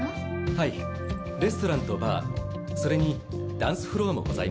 はいレストランとバーそれにダンスフロアもございます。